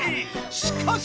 しかし。